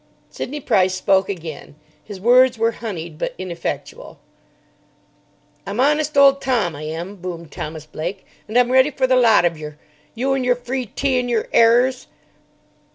Sidney Price spoke again. His words were honeyed, but ineffectual. "I'm honest old Tom, I am," boomed Thomas Blake, "and I'm ready for the lot of yer: you and yer free tea and yer errers."